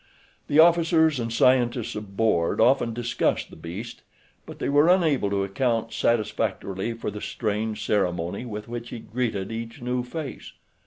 The officers and scientists aboard often discussed the beast, but they were unable to account satisfactorily for the strange ceremony with which he greeted each new face.